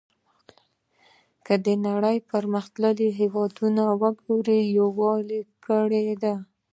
که د نړۍ پرمختللي هېوادونه وګورو یووالی یې کړی.